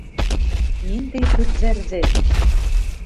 Ниндәй һүҙҙәрҙе?